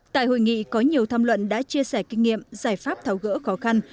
tại hội nghị có nhiều tham luận đã chia sẻ kinh nghiệm giải pháp tháo gỡ khó khăn